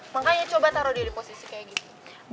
makanya coba taruh dia di posisi kayak gitu